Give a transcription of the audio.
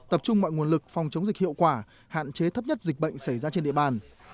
tập trung mọi nguồn lực phòng chống dịch hiệu quả hạn chế thấp nhất dịch bệnh xảy ra trên địa bàn